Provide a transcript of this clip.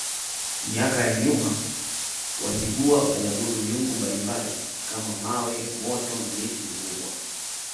Miaka ya nyuma Wazigua waliabudu miungu mbalimbali kama mawe moto na miti mikubwa